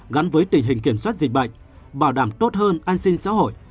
gắn với tình hình kiểm soát dịch bệnh bảo đảm tốt hơn an sinh xã hội